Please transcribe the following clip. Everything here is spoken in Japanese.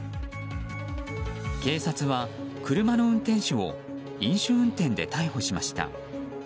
警察は、車の運転手を飲酒運転で逮捕しました。